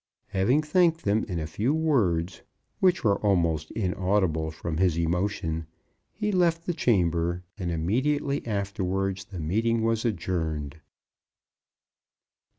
Having thanked them in a few words, which were almost inaudible from his emotion, he left the chamber, and immediately afterwards the meeting was adjourned.